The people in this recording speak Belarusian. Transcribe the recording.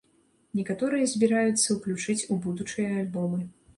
Некаторыя збіраюцца ўключыць у будучыя альбомы.